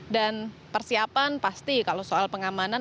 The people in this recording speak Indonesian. dan persiapan pasti kalau soal pengamanan